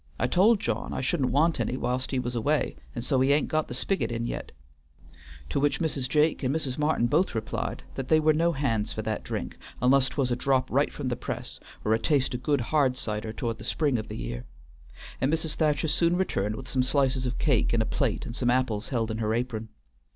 I told John I shouldn't want any whilst he was away, and so he ain't got the spiggit in yet," to which Mrs. Jake and Mrs. Martin both replied that they were no hands for that drink, unless 't was a drop right from the press, or a taste o' good hard cider towards the spring of the year; and Mrs. Thacher soon returned with some slices of cake in a plate and some apples held in her apron.